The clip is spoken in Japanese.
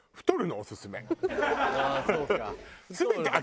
ああそうか。